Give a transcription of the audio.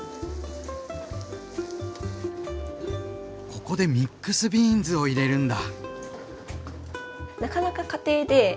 ここでミックスビーンズを入れるんだ！